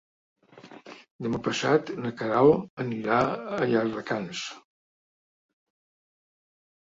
Demà passat na Queralt anirà a Llardecans.